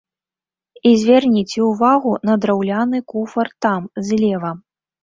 І звярніце ўвагу на драўляны куфар там, злева.